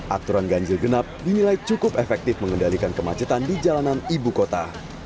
aturan ganjil genap dinilai cukup efektif mengendalikan kemacetan di jalanan ibu kota